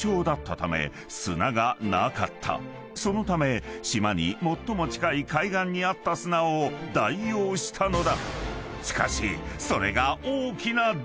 ［そのため島に最も近い海岸にあった砂を代用したのだ］